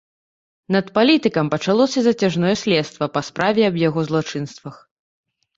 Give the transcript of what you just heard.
Над палітыкам пачалося зацяжное следства па справе аб яго злачынствах.